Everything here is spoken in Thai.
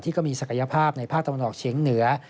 ก็มีศักยภาพในภาคตะวันออกเฉียงเหนือ